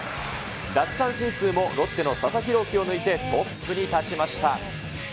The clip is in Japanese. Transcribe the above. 奪三振数もロッテの佐々木朗希を抜いてトップに立ちました。